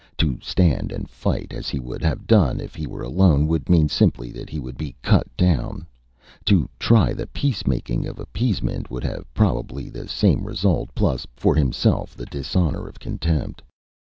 To stand and fight, as he would have done if he were alone, would mean simply that he would be cut down. To try the peacemaking of appeasement, would have probably the same result plus, for himself, the dishonor of contempt.